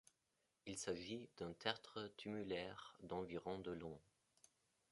Il s'agit d'un tertre tumulaire d'environ de long.